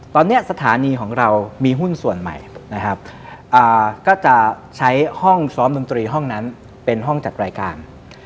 ตอนนี้สถานีของเรามีหุ้นส่วนใหม่นะครับก็จะใช้ห้องซ้อมดนตรีห้องนั้นเป็นห้องจัดรายการ